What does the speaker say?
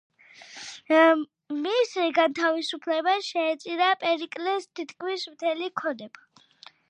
მის განთავისუფლებას შეეწირა პერიკლეს თითქმის მთელი ქონება.